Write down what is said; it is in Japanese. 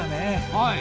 はい。